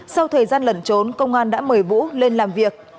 sau thời gian lẩn trốn công an đã mời vũ lên làm việc